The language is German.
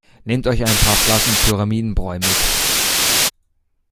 Nehmt euch ein paar Flaschen Pyramidenbräu mit!